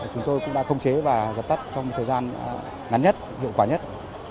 chúng tôi cũng đã công chế và dập tắt trong thời gian ngắn nhất hiệu quả nhất